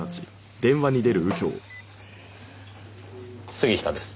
杉下です。